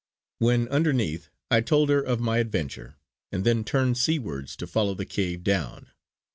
When underneath, I told her of my adventure, and then turned seawards to follow the cave down.